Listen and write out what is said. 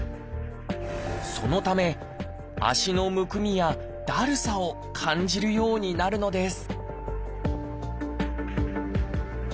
そのため足のむくみやだるさを感じるようになるのです